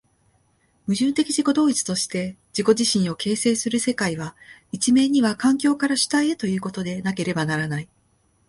矛盾的自己同一として自己自身を形成する世界は、一面には環境から主体へということでなければならない。